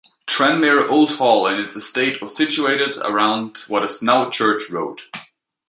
Tranmere Old Hall and its estate, was situated around what is now Church Road.